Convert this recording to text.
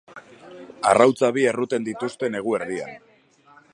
Arrautza bi erruten dituzte negu erdian.